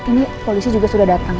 ini polisi juga sudah datang